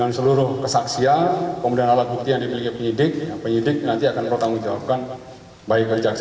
kontras menilai ada upaya pengaburan fakta dalam rekonstruksi yang dilakukan oleh polisi